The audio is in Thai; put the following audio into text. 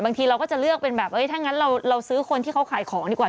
บางทีเราก็จะเลือกเป็นแบบถ้างั้นเราซื้อคนที่เขาขายของดีกว่า